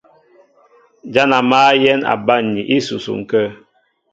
Ján a mǎl yɛ̌n a banmni ísusuŋ kə̂.